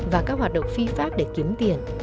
và các hoạt động phi pháp để kiếm tiền